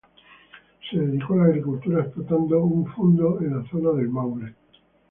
Se dedicó a la agricultura, explotando un fundo en la zona del Maule.